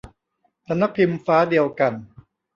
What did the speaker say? สำนักพิมพ์ฟ้าเดียวกัน